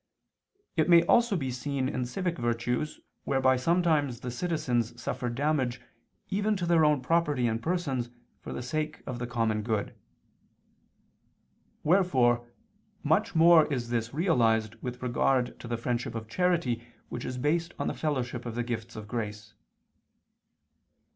It may also be seen in civic virtues whereby sometimes the citizens suffer damage even to their own property and persons for the sake of the common good. Wherefore much more is this realized with regard to the friendship of charity which is based on the fellowship of the gifts of grace.